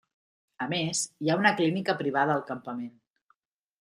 A més, hi ha una clínica privada al campament.